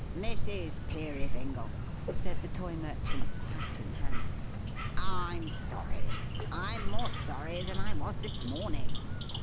"Mrs. Peerybingle!" said the Toy Merchant, hat in hand. "I'm sorry. I'm more sorry than I was this morning.